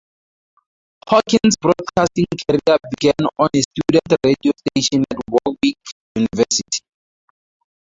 Hawkins' broadcasting career began on a student radio station at Warwick University.